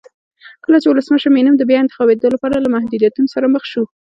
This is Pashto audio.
کله چې ولسمشر مینم د بیا انتخابېدو لپاره له محدودیتونو سره مخ شو.